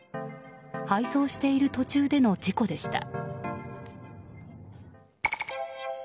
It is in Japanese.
配送している途中での事故でした。